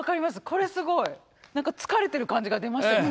これすごい。何か疲れてる感じが出ましたよね